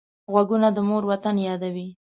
غوږونه د مور وطن یادوي